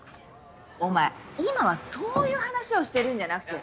お前今はそういう話をしてるんじゃなくて。